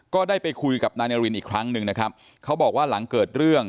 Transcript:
ก็ได้ไปคุยกับนายนารินอีกครั้งหนึ่งนะครับเขาบอกว่าหลังเกิดเรื่อง